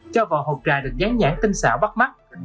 cho vào hộp trà được gián nhãn tinh xảo bắt mắt